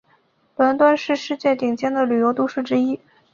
伦敦是世界顶尖的旅游都市之一。